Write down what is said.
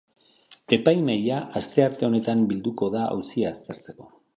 Epaimahaia astearte honetan bilduko da auzia aztertzeko.